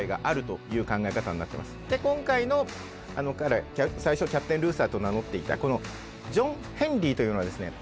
で今回のあの彼最初キャプテン・ルーサーと名乗っていたこのジョン・ヘンリーというのはですね